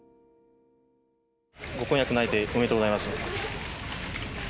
ご婚約内定、おめでとうございます。